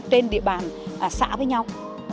trên địa bàn xã với nhau